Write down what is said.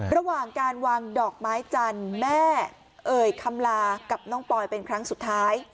ระหว่างการวางดอกไม้จันทร์แม่เอ่ยคำลากับน้องปอยเป็นครั้งสุดท้าย